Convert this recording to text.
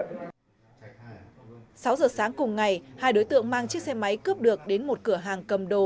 sáu giờ sáng cùng ngày hai đối tượng mang chiếc xe máy cướp được đến một cửa hàng cầm đồ